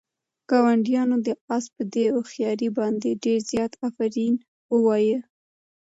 ګاونډیانو د آس په دې هوښیارۍ باندې ډېر زیات آفرین ووایه.